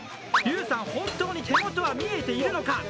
劉さん、本当に手元は見えているのか。